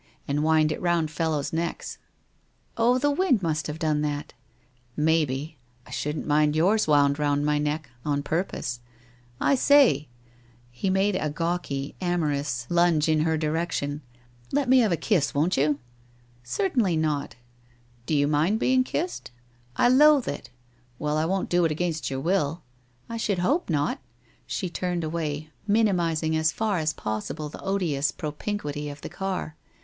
and wind it round fellows' necks/ ' Oh, the wind must have done that !' 'Maybe! I shouldn't mind yours wound round my neck — on purpose. I say !'— He made a gawky, amorous •~ 98 WHITE ROSE OF WEARY LEAF hinge in her direction — 'let me have a kiss, won't you ?'' Certainly not/ 1 Do you mind being kissed ?'■ I loathe it !'* Well, I won't do it against your will/ ' I should hope not.' She turned away, minimizing as far as possible the odious propinquity of the car.